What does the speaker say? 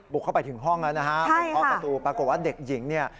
บุกเข้าไปถึงห้องแล้วนะคะปรากฏว่าเด็กหญิง